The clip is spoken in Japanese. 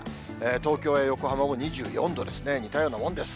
東京や横浜も２４度ですね、似たようなもんです。